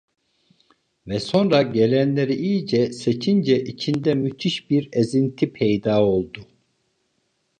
Ve sonra, gelenleri iyice seçince içinde müthiş bir ezinti peyda oldu.